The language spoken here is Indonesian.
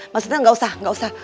maksudnya nggak usah nggak usah